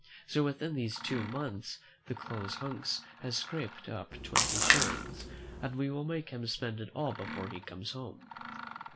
So within these two months the close hunks has scraped up twenty shillings, and we will make him spend it all before he comes home."